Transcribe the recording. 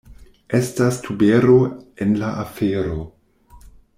Estas tubero en la afero.